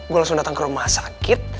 gue langsung datang ke rumah sakit